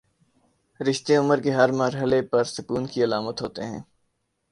رشتے عمر کے ہر مر حلے پر سکون کی علامت ہوتے ہیں۔